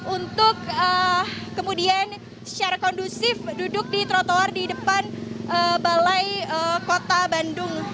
untuk kemudian secara kondusif duduk di trotoar di depan balai kota bandung